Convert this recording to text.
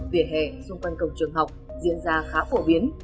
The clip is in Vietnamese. vỉa hè xung quanh cổng trường học diễn ra khá phổ biến